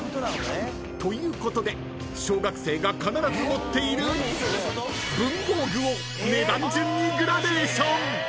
［ということで小学生が必ず持っている文房具を値段順にグラデーション］